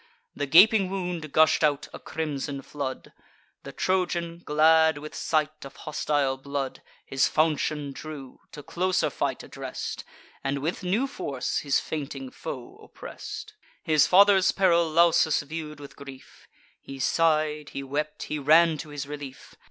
The gaping wound gush'd out a crimson flood. The Trojan, glad with sight of hostile blood, His falchion drew, to closer fight address'd, And with new force his fainting foe oppress'd. His father's peril Lausus view'd with grief; He sigh'd, he wept, he ran to his relief.